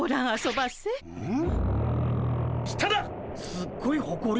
すっごいほこり！